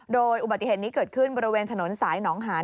โดยอุบัติเหตุนี้เกิดขึ้นบริเวณถนนสายหนองหาน